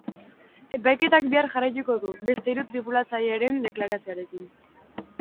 Epaiketak bihar jarraituko du, beste hiru tripulatzaileren deklarazioarekin.